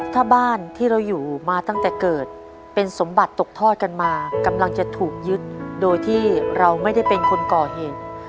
ถ้าบ้านที่เราอยู่มาตั้งแต่เกิดเป็นสมบัติตกทอดกันมากำลังจะถูกยึดโดยที่เราไม่ได้เป็นคนก่อเหตุ